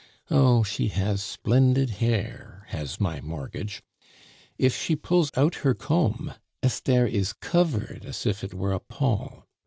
Oh, she has splendid hair, has my mortgage. If she pulls out her comb, Esther is covered as if it were a pall.